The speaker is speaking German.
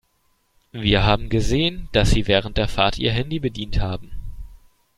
Wir haben gesehen, dass Sie während der Fahrt Ihr Handy bedient haben.